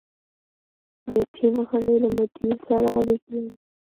د ټیم غړي له مدیر سره اړیکې لري.